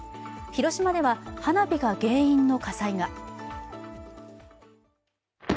広島では花火が原因の火災が。